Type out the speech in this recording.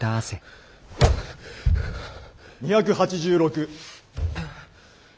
２８６。